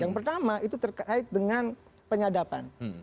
yang pertama itu terkait dengan penyadapan